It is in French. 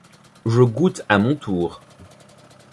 Je goûte à mon tour.